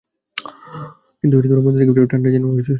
কিন্তু মন্দির থেকে বেরিয়ে ঠাণ্ডায় যেন জড় হয়ে গিয়েছিলাম।